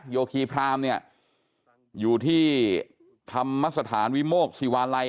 โยคีพรามเนี่ยอยู่ที่ธรรมสถานวิโมกศิวาลัย